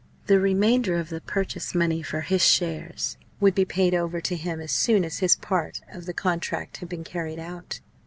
The remainder of the purchase money for his "shares" would be paid over to him as soon as his part of the contract had been carried out.